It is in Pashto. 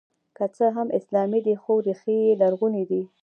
که څه هم اسلامي دی خو ریښې یې لرغونې دي